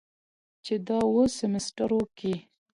چې دا اووه سميسترو کې